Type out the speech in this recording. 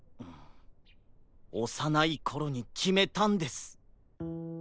おさないころにきめたんです。